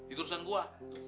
itu urusan gua